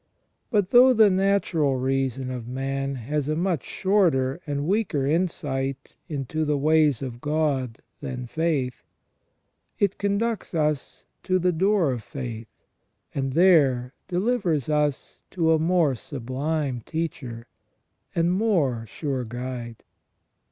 But though the natural reason of man has a much shorter and weaker insight into the ways of God than faith, it conducts us to the door of faith, and there delivers us to a more sublime teacher, and more sure guide.